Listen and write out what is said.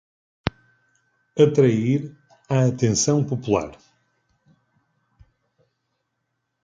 Atrair a atenção popular